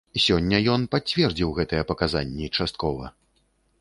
Сёння ён пацвердзіў гэтыя паказанні часткова.